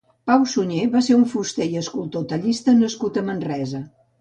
Pau Sunyer va ser un fuster i escultor tallista nascut a Manresa.